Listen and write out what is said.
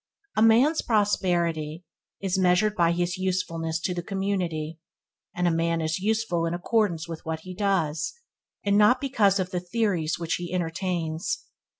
A man's prosperity is measured by his usefulness to the community, and a man is useful in accordance with that he does, and not because of the theories which he entertains.